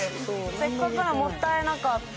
せっかくのもったいなかった。